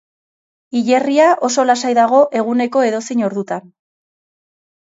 Hilerria oso lasai dago eguneko edozein ordutan.